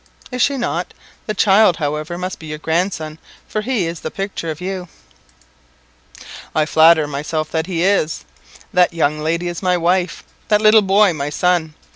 "Is she not? The child, however, must be your grandson, for he is the picture of you." "I flatter myself that he is. That young lady is my wife that little boy my son.